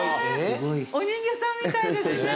お人形さんみたいですね。